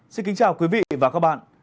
xin kính chào quý vị và các bạn